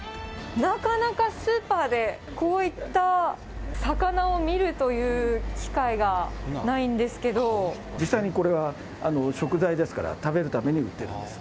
なかなかスーパーでこういった魚を見るという機会がないんで実際にこれは、食材ですから、食べるために売ってるんです。